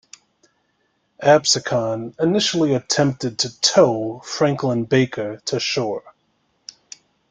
"Absecon" initially attempted to tow "Franklin Baker" to shore.